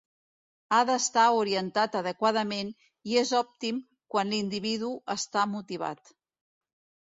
Ha d'estar orientat adequadament i és òptim quan l'individu està motivat.